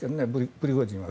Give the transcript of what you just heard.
プリゴジンは。